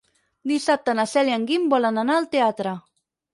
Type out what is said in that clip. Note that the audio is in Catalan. Dissabte na Cel i en Guim volen anar al teatre.